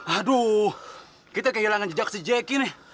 aduh kita kehilangan jejak si jeki nih